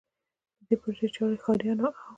د دې پروژې چارې ښاریانو او